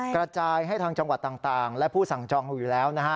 กระจายให้ทางจังหวัดต่างและผู้สั่งจองอยู่แล้วนะฮะ